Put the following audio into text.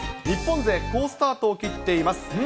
日本勢好スタートを切っています。